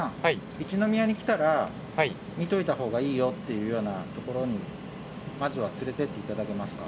一宮に来たら見といた方がいいよっていうような所にまずは連れて行って頂けますか？